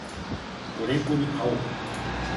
五年後にあおう